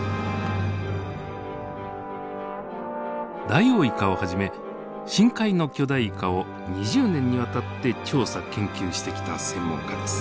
ダイオウイカをはじめ深海の巨大イカを２０年にわたって調査研究してきた専門家です。